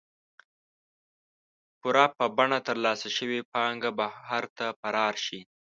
پور په بڼه ترلاسه شوې پانګه بهر ته فرار شي.